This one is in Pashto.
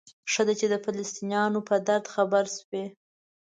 ښه ده چې د فلسطینیانو په درد خبر شوئ.